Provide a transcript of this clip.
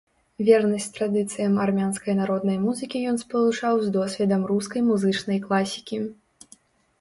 Вернасць традыцыям армянскай народнай музыкі ён спалучаў з досведам рускай музычнай класікі.